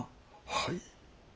はい。